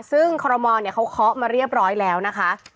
ซึ่งคอรมอลเขาเคาะมาเรียบร้อยแล้วนะคะ